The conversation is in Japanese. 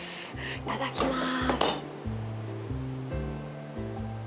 いただきます。